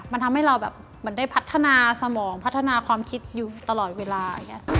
มันทำให้เราได้พัฒนาสมองพัฒนาความคิดอยู่ตลอดเวลา